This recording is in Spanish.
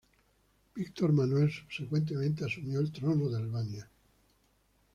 Víctor Manuel subsecuentemente asumió el trono de Albania.